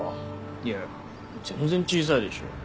いや全然小さいでしょ。